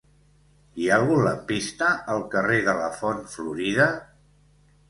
Hi ha algun lampista al carrer de la Font Florida?